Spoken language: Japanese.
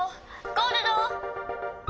ゴールド！」。